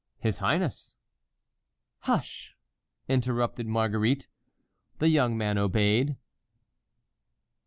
"His highness." "Hush!" interrupted Marguerite. The young man obeyed.